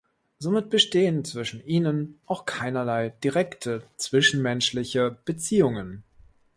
Somit bestehen zwischen ihnen auch keinerlei direkte zwischenmenschliche Beziehungen.